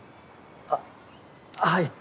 あっはい。